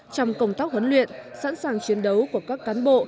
trong công tác huấn luyện sẵn sàng chiến đấu của các cán bộ